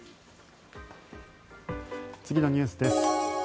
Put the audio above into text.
次のニュースです。